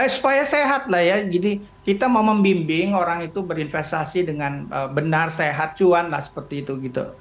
supaya sehat lah ya jadi kita mau membimbing orang itu berinvestasi dengan benar sehat cuan lah seperti itu gitu